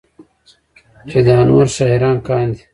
چې دا نور شاعران کاندي